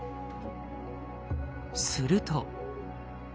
すると。